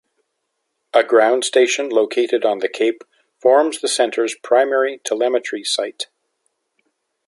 A ground station located on the cape forms the centre's primary telemetry site.